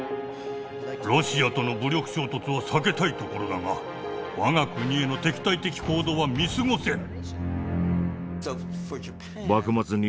ロシアとの武力衝突は避けたいところだが我が国への敵対的行動は見過ごせぬ。